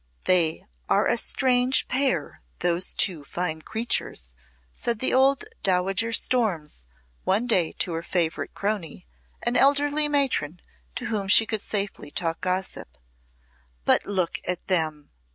"They are a strange pair, those two fine creatures," said the old Dowager Storms one day to her favourite crony, an elderly matron to whom she could safely talk gossip. "But look at them."